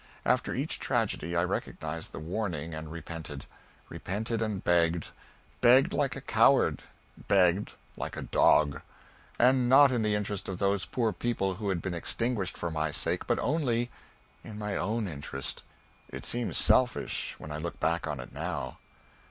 After each tragedy I recognized the warning and repented; repented and begged; begged like a coward, begged like a dog; and not in the interest of those poor people who had been extinguished for my sake, but only in my own interest. It seems selfish, when I look back on it now.